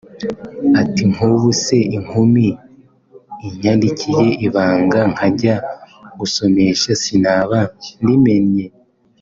Ati “nk’ubu se inkumi inyandikiye ibanga nkajya gusomesha sinaba ndimennye